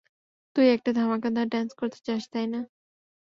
তুই একটা ধামাকা ধার ডান্স করতে চাস, তাই না?